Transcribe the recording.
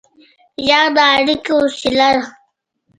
غږ د اړیکې وسیله ده.